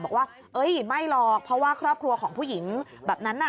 บอกว่าไม่หรอกเพราะว่าครอบครัวของผู้หญิงแบบนั้นน่ะ